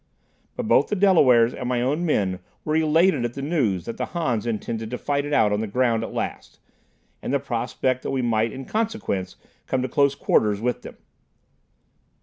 But both the Delawares and my own men were elated at the news that the Hans intended to fight it out on the ground at last, and the prospect that we might in consequence come to close quarters with them.